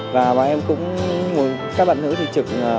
và bọn em cũng muốn các bạn nữ thì trực